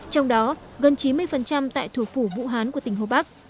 trong đó gần chín mươi tại thủ phủ vũ hán của tỉnh hồ bắc